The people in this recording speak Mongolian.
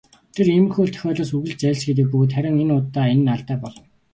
Тэр иймэрхүү тохиолдлоос үргэлж зайлсхийдэг бөгөөд харин энэ удаа энэ нь алдаа болов.